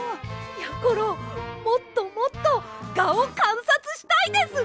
やころもっともっとガをかんさつしたいです！